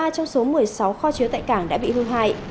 một mươi ba trong số một mươi sáu kho chiếu tại cảng đã bị hưu hại